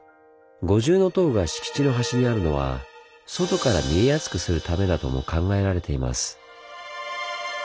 五重塔が敷地の端にあるのは外から見えやすくするためだとも考えられています。